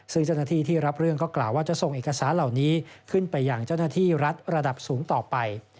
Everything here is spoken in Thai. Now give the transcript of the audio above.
ซึ่งเจ้าหน้าที่ที่รับเรื่องก็กล่าวว่าจะส่งเอกสารเหล่านี้ขึ้นไปอย่างเจ้าหน้าที่รัฐระดับสูงต่อไป